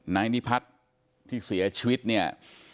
นายนิพัฒน์ที่เสียชีวิตเนี่ย